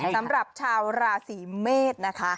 สำหรับชาวราศีเมษนะคะ